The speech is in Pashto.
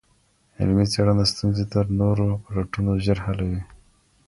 علمي څېړنه ستونزي تر نورو پلټنو ژر حلوي.